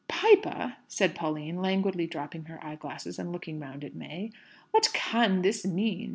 "Piper!" said Pauline, languidly dropping her eyeglass, and looking round at May. "What can this mean?"